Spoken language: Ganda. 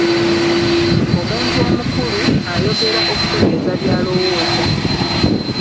Omuntu omukulu, ayogera okutegeeza by'alowooza.